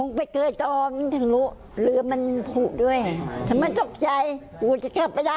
คงไปเกิดตอนนี้ถึงรู้เรือมันผูด้วยถ้าไม่ตกใจกูจะกลับไปได้